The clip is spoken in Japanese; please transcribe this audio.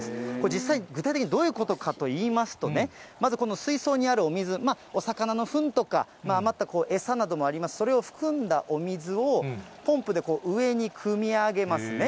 実際、具体的にどういうことかといいますとね、まずこの水槽にあるお水、お魚のふんとか、余った餌などもあります、それを含んだお水を、ポンプで上にくみ上げますね。